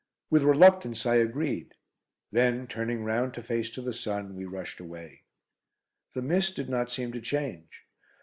With reluctance I agreed, then, turning round face to the sun, we rushed away. The mist did not seem to change.